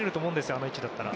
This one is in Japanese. あの位置だったら。